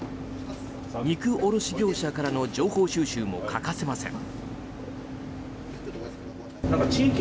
肉卸業者からの情報収集も欠かせません。